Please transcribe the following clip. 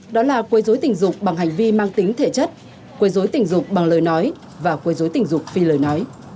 đó là quấy dối tình dục bằng hành vi mang tính thể chất quấy dối tình dục bằng lời nói và quấy dối tình dục phi lời nói